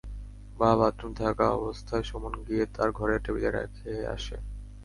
বাবা বাথরুমে থাকা অবস্থায় সুমন গিয়ে তাঁর ঘরের টেবিলে রেখে আসে।